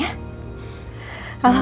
alhamdulillah nono ya allah